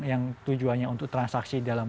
yang tujuannya untuk transaksi dalam